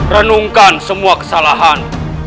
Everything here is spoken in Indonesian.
renungkan semua kesalahan